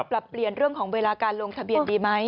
ปรับเปลี่ยนเรื่องของเวลาการลงทะเบียนดีไหม